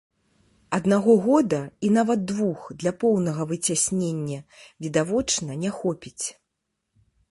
Аднаго года, і нават двух, для поўнага выцяснення, відавочна, не хопіць.